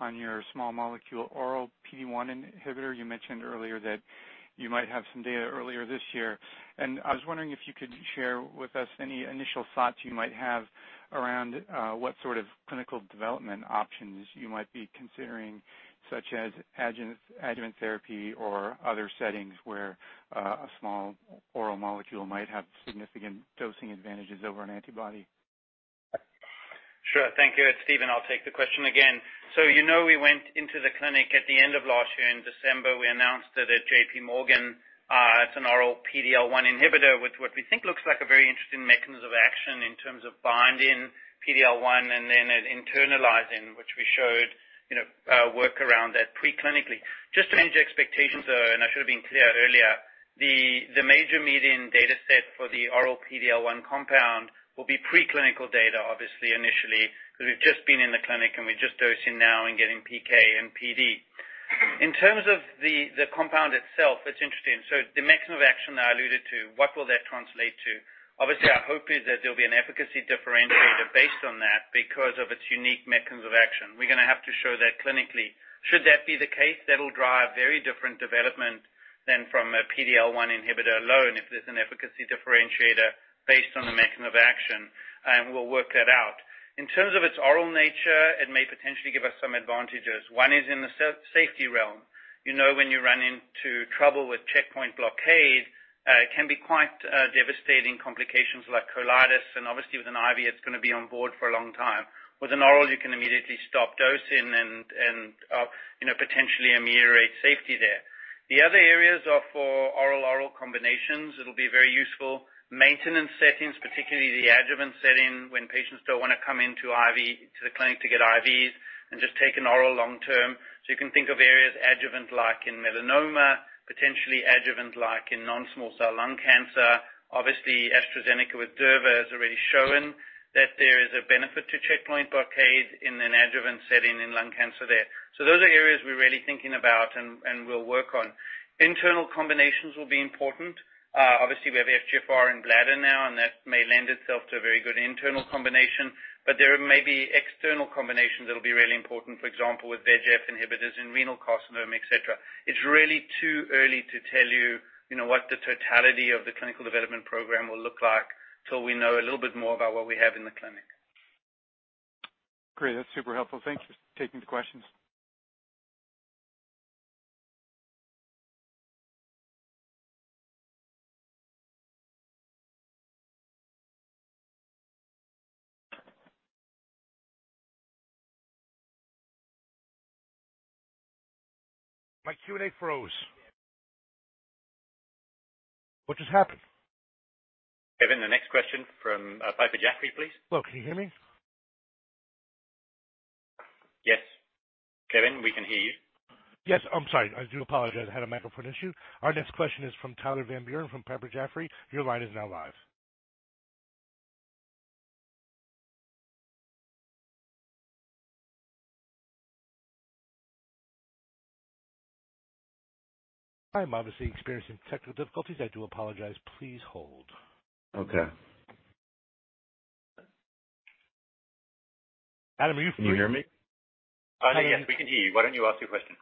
on your small molecule oral PD-1 inhibitor. You mentioned earlier that you might have some data earlier this year. I was wondering if you could share with us any initial thoughts you might have around what sort of clinical development options you might be considering, such as adjuvant therapy or other settings where a small oral molecule might have significant dosing advantages over an antibody. Sure. Thank you. It's Steven. I'll take the question again. You know we went into the clinic at the end of last year. In December, we announced it at JP Morgan. It's an oral PD-L1 inhibitor with what we think looks like a very interesting mechanism of action in terms of binding PD-L1 and then internalizing, which we showed work around that preclinically. Just to manage expectations, though, and I should have been clear earlier, the major median data set for the oral PD-L1 compound will be preclinical data, obviously initially, because we've just been in the clinic and we're just dosing now and getting PK and PD. In terms of the compound itself, it's interesting. The mechanism of action I alluded to, what will that translate to? Obviously, our hope is that there'll be an efficacy differentiator based on that because of its unique mechanisms of action. We're going to have to show that clinically. Should that be the case, that'll drive very different development than from a PD-L1 inhibitor alone if there's an efficacy differentiator based on the mechanism of action, and we'll work that out. In terms of its oral nature, it may potentially give us some advantages. One is in the safety realm. You know when you run into trouble with checkpoint blockade, it can be quite devastating, complications like colitis, and obviously with an IV, it's going to be on board for a long time. With an oral, you can immediately stop dosing and potentially ameliorate safety there. The other areas are for oral combinations. It'll be very useful. Maintenance settings, particularly the adjuvant setting, when patients don't want to come into the clinic to get IVs and just take an oral long term. You can think of areas adjuvant like in melanoma, potentially adjuvant like in non-small cell lung cancer. Obviously, AstraZeneca with Durva has already shown that there is a benefit to checkpoint blockade in an adjuvant setting in lung cancer there. Those are areas we're really thinking about and will work on. Internal combinations will be important. Obviously, we have FGFR in bladder now, and that may lend itself to a very good internal combination, but there may be external combinations that will be really important, for example, with VEGF inhibitors in renal carcinoma, et cetera. It's really too early to tell you what the totality of the clinical development program will look like till we know a little bit more about what we have in the clinic. Great. That's super helpful. Thank you for taking the questions. My Q&A froze. What just happened? Kevin, the next question from Piper Jaffray, please. Hello, can you hear me? Yes. Kevin, we can hear you. Yes. I'm sorry. I do apologize. I had a microphone issue. Our next question is from Tyler Van Buren from Piper Jaffray. Your line is now live. I'm obviously experiencing technical difficulties. I do apologize. Please hold. Okay. Adam, are you free? Can you hear me? Yes, we can hear you. Why don't you ask your question?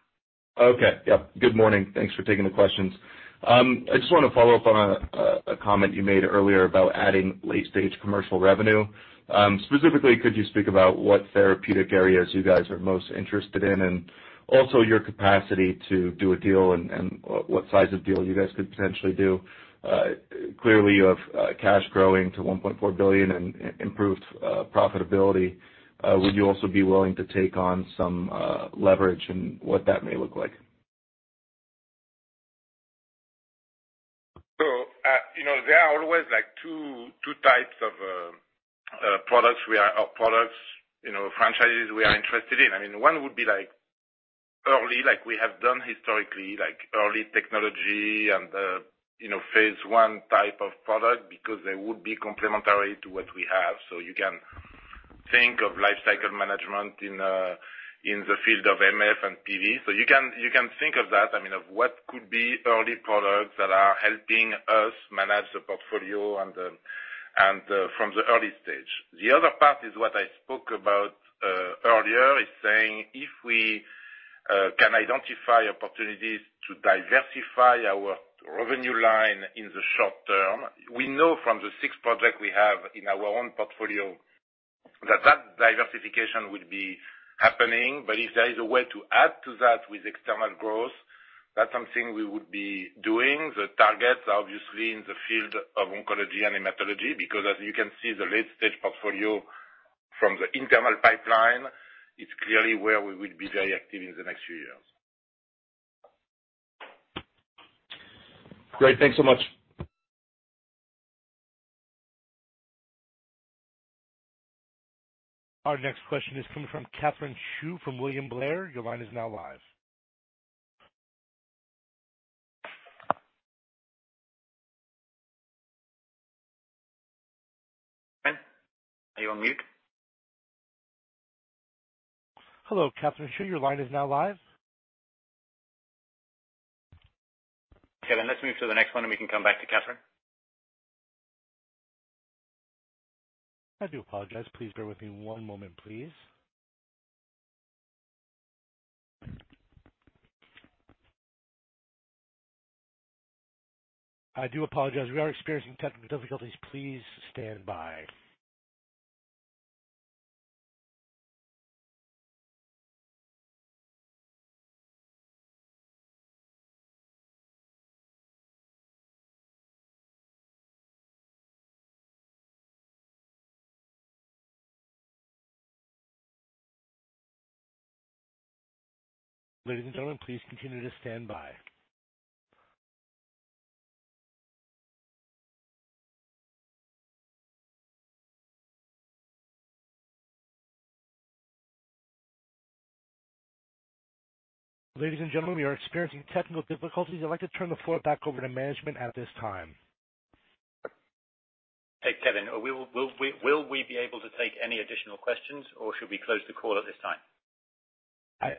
Okay. Yeah. Good morning. Thanks for taking the questions. I just want to follow up on a comment you made earlier about adding late-stage commercial revenue. Specifically, could you speak about what therapeutic areas you guys are most interested in, and also your capacity to do a deal and what size of deal you guys could potentially do? Clearly, you have cash growing to $1.4 billion and improved profitability. Would you also be willing to take on some leverage and what that may look like? There are always 2 types of products. We have products, franchises we are interested in. One would be early, like we have done historically, early technology and the phase I type of product, because they would be complementary to what we have. You can think of lifecycle management in the field of MF and PV. You can think of that, of what could be early products that are helping us manage the portfolio from the early stage. The other part is what I spoke about earlier, is saying if we can identify opportunities to diversify our revenue line in the short term, we know from the six projects we have in our own portfolio that diversification will be happening. If there is a way to add to that with external growth, that's something we would be doing. The target, obviously in the field of oncology and hematology, because as you can see, the late-stage portfolio from the internal pipeline is clearly where we will be very active in the next few years. Great. Thanks so much. Our next question is coming from Katherine Xu from William Blair. Your line is now live. Are you on mute? Hello, Katherine Xu, your line is now live. Let's move to the next one, and we can come back to Katherine. I do apologize. Please bear with me one moment, please. I do apologize. We are experiencing technical difficulties. Please stand by. Ladies and gentlemen, please continue to stand by. Ladies and gentlemen, we are experiencing technical difficulties. I'd like to turn the floor back over to management at this time. Hey, Kevin, will we be able to take any additional questions, or should we close the call at this time?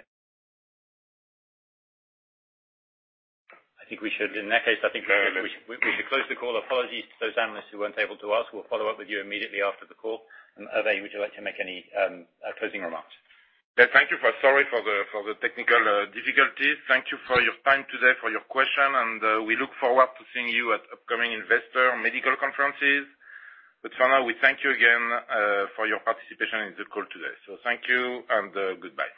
In that case, I think we should close the call. Apologies to those analysts who weren't able to ask. We'll follow up with you immediately after the call. Hervé, would you like to make any closing remarks? Yeah. Sorry for the technical difficulties. Thank you for your time today, for your question, we look forward to seeing you at upcoming investor medical conferences. For now, we thank you again for your participation in the call today. Thank you, and goodbye.